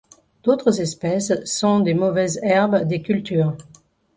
D'autres espèces sont des mauvaises herbes des cultures.